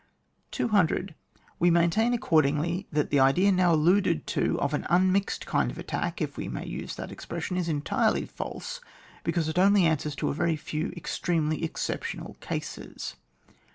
200. We maintain accordingly, that the idea now alluded to of an immixed kind of attack, if we may use the expres sion, is entirely false, because it only answers to a very few extremely excep tional cases.